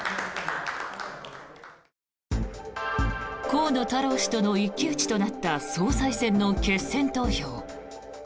河野太郎氏との一騎打ちとなった総裁選の決戦投票。